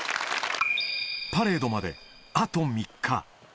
パレードまであと３日。